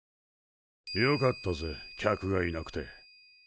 よかったぜ客がいなくて。